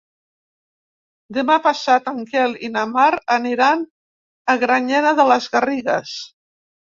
Demà passat en Quel i na Mar aniran a Granyena de les Garrigues.